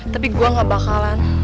tapi gua gak bakalan